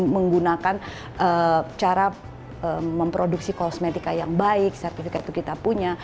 menggunakan cara memproduksi kosmetika yang baik sertifikat itu kita punya